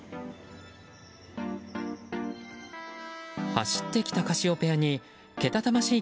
走ってきた「カシオペア」にけたたましい